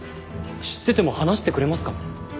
知ってても話してくれますかね？